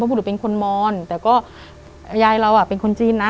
บุรุษเป็นคนมอนแต่ก็ยายเราเป็นคนจีนนะ